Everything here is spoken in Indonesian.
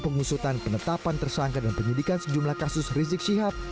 pengusutan penetapan tersangka dan penyidikan sejumlah kasus rizik syihab